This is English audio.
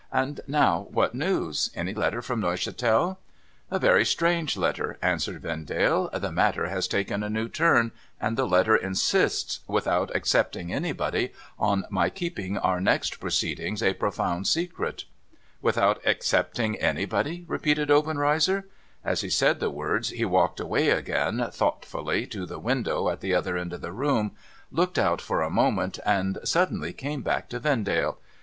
And now, what news ? Any letter from Neuchatel ?' A very strange letter,' answered Vendale. ' The matter has taken a new turn, and the letter insists— without excepting anybody ■— on my keeping our next proceedings a profound secret.' ' Without excepting anybody ?' repeated Obenreizer. As he said the words, he walked away again, thoughtfully, to the window at the other end of the room, looked out for a moment, and suddenly 536 NO THOROUGHFARE came back to Vendale.